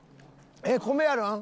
えっ米あるん？